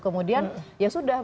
kemudian ya sudah